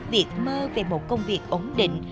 việc mơ về một công việc ổn định